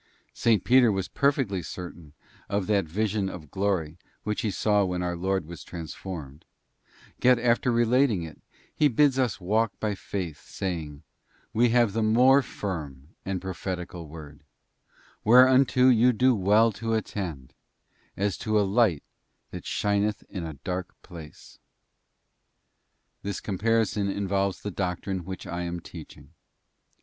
§S. Peter was perfectly certain of that vision of glory which he saw when our Lord was transfigured, yet after relating it, he bids us walk by faith, saying: ' We have the more firm prophetical word : whereunto you do well to attend, as to a light that shineth in a dark place. * This comparison involves the doctrine which I am teaching.